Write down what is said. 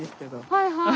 はいはい。